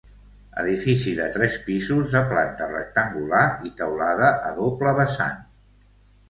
Edifici de tres pisos, de planta rectangular i teulada a doble vessant.